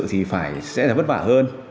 thì phải sẽ là vất vả hơn